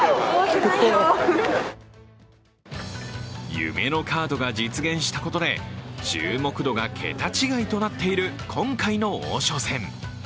夢のカードが実現したことで注目度が桁違いとなっている今回の王将戦。